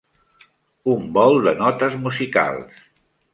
Un vol de notes musicals.